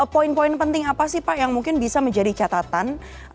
poin poin penting apa sih pak yang mungkin bisa menjadi catatan